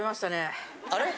あれ？